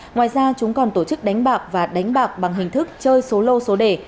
ngoài ra chúng còn tổ chức đánh bạc và đánh bạc bằng hình thức chơi số lô số đề